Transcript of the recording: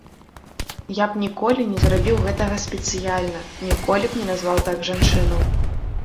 Я б ніколі не зрабіў гэтага спецыяльна, ніколі б не назваў так жанчыну.